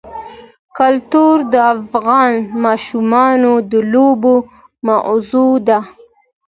کلتور د افغان ماشومانو د لوبو موضوع ده.